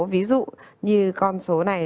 ví dụ như con số này